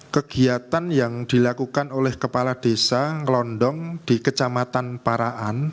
kegiatan yang dilakukan oleh kepala desa ngelondong di kecamatan paraan